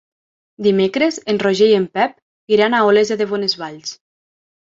Dimecres en Roger i en Pep iran a Olesa de Bonesvalls.